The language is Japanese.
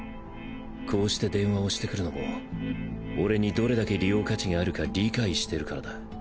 こうして電話をしてくるのも俺にどれだけ利用価値があるか理解してるからだ。